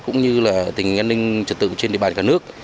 cũng như tình hình an ninh trật tự trên địa bàn cả nước